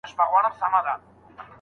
پلار زوړ ساعت لري.